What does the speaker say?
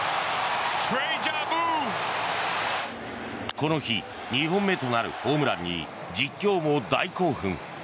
この日２本目となるホームランに実況も大興奮。